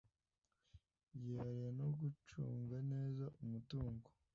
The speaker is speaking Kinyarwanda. yihariye no gucunga neza umutungo